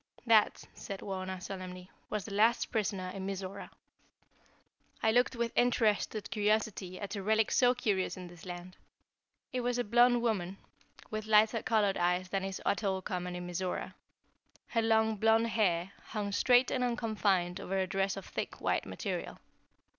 "That," said Wauna, solemnly, "was the last prisoner in Mizora." I looked with interested curiosity at a relic so curious in this land. It was a blonde woman with lighter colored eyes than is at all common in Mizora. Her long, blonde hair hung straight and unconfined over a dress of thick, white material.